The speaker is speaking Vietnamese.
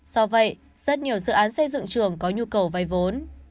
do vậy rất nhiều dự án xây dựng trường có nhu cầu vay vốn